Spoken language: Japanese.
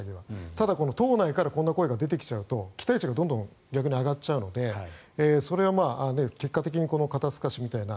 ただ党内からこんな声が出てきちゃうと期待値がどんどん上がってきちゃうのでそれは結果的に肩透かしみたいな。